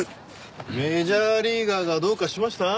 メジャーリーガーがどうかしました？